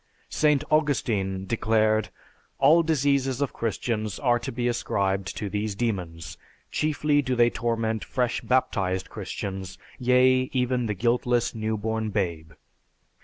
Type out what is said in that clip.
St. Augustine declared, "All diseases of Christians are to be ascribed to these demons, chiefly do they torment fresh baptized Christians, yea, even the guiltless, new born babe."